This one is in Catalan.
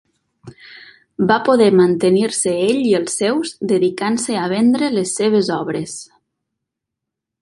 Va poder mantenir-se ell i els seus dedicant-se a vendre les seves obres.